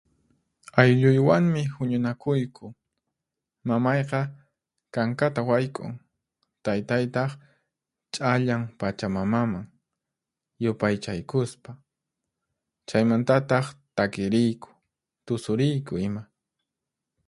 Aylluywanmi huñunakuyku. Mamayqa kankata wayk'un, taytaytaq ch'allan pachamamaman yupaychaykuspa. Chaymantataq takiriyku, tusuriyku ima.